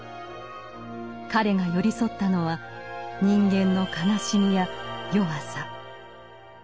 彼が寄り添ったのは人間の悲しみや弱さ。